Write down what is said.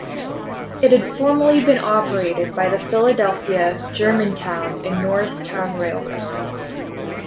It had formerly been operated by the Philadelphia, Germantown and Norristown Railroad.